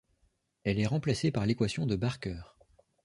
Elle est remplacée par l'équation de Barker.